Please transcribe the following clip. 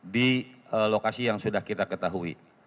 di lokasi yang sudah kita ketahui